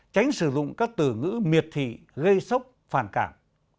tránh sử dụng các từ ngữ miệt thị gây sốc phản cảm